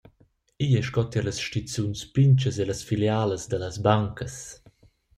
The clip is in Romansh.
Igl ei sco tier las stizuns pintgas e las filialas dallas bancas.